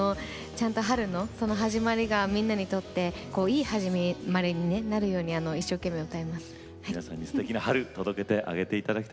春の始まりがみんなにとっていい始まりになるように一生懸命歌います。